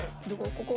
ここ？